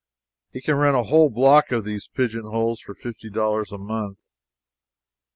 You can rent a whole block of these pigeonholes for fifty dollars a month.